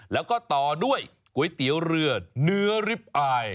แล้วก็ต่อด้วยก๋วยเตี๋ยวเรือเนื้อริปอาย